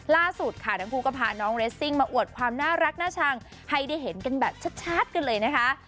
ล่าสุดค่ะทั้งคู่ก็พาน้องเรสซิ่งมาอวดความน่ารักน่าชังให้ได้เห็นกันแบบชัดกันเลยนะคะ